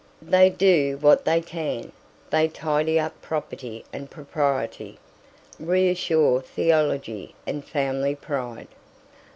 They do what they can; they tidy up Property and Propriety, reassure Theology and Family Pride.